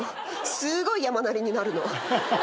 すごい山なりになるの。